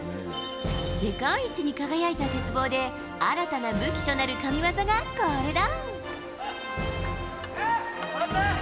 世界一に輝いた鉄棒で新たな武器となる神技がこれだ。